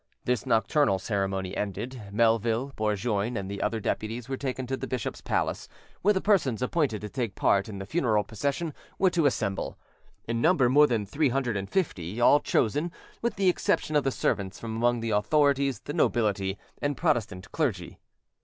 This nocturnal ceremony ended, Melville, Bourgoin, and the other deputies were taken to the bishop's palace, where the persons appointed to take part in the funeral procession were to assemble, in number more than three hundred and fifty, all chosen, with the exception of the servants, from among the authorities, the nobility, and Protestant clergy.